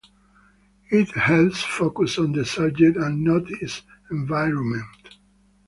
It helps focus on the subject and not its environment.